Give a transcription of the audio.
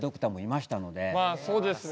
まあそうですね。